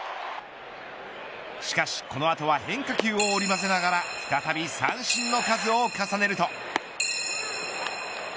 しかし、この後は変化球を織り交ぜながら再び三振の数を重ねると。